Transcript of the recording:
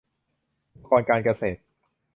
อุปกรณ์การเกษตร